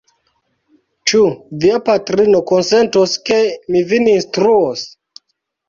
Ĉu via patrino konsentos, ke mi vin instruos?